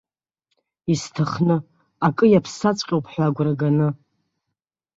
Исҭахны, акы иаԥсаҵәҟьоуп ҳәа агәра ганы.